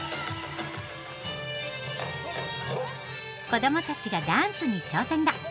子どもたちがダンスに挑戦だ。